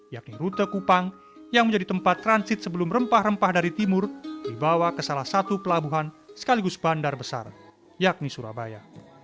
yakni rute kupang yang menjadi tempat transit sebelum rempah rempah dari timur dibawa ke salah satu pelabuhan sekaligus bandar besar yakni surabaya